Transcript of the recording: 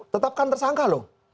tetapkan tersangka loh